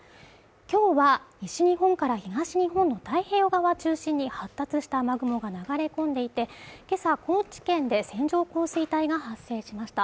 今日は西日本から東日本の太平洋側を中心に発達した雨雲が流れ込んでいて今朝は高知県で線状降水帯が発生しました。